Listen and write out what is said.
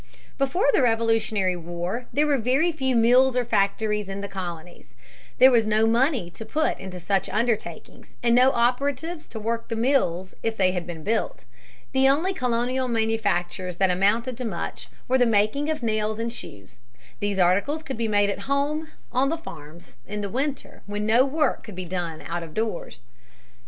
Before the Revolutionary War there were very few mills or factories in the colonies. There was no money to put into such undertakings and no operatives to work the mills if they had been built. The only colonial manufactures that amounted to much were the making of nails and shoes. These articles could be made at home on the farms, in the winter, when no work could be done out of doors.